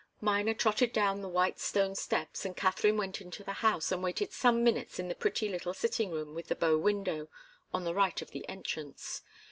Miner trotted down the white stone steps and Katharine went into the house, and waited some minutes in the pretty little sitting room with the bow window, on the right of the entrance.